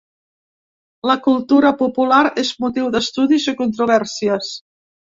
La cultura popular és motiu d’estudis i controvèrsies.